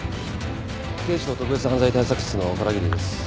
警視庁特別犯罪対策室の片桐です。